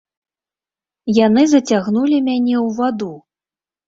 Яны зацягнулі мяне ў ваду.